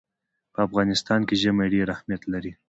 په افغانستان کې ژمی ډېر اهمیت لري.